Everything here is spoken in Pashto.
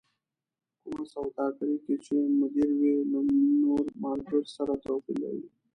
کومه سوداګرۍ کې چې مدير وي له نور مارکېټ سره توپير لري.